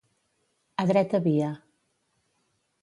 A dreta via.